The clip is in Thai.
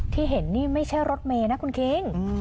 ที่เห็นนี่ไม่ใช่รถเมย์นะคุณคิง